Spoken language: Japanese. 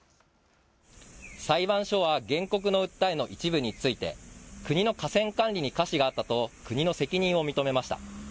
裁判所は原告の訴えの一部について国の河川管理にかしがあったと国の責任を認めました。